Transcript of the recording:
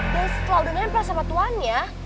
dan setelah udah nempel sama tuannya